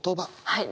はい。